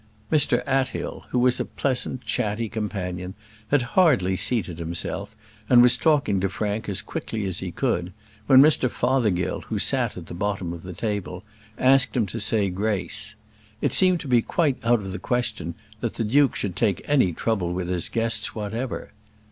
Mr Athill, who was a pleasant, chatty companion, had hardly seated himself, and was talking to Frank as quickly as he could, when Mr Fothergill, who sat at the bottom of the table, asked him to say grace. It seemed to be quite out of the question that the duke should take any trouble with his guests whatever.